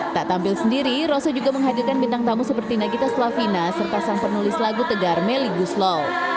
tak tampil sendiri rosa juga menghadirkan bintang tamu seperti nagita slavina serta sang penulis lagu tegar meli guslo